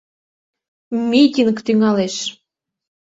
Митинг тӱҥалеш.